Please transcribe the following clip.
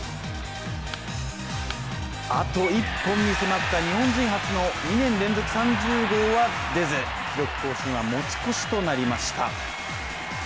あと１本に迫った日本人初の２年連続３０号は出ず記録更新は持ち越しとなりました。